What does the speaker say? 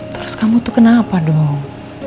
terus kamu tuh kenapa dong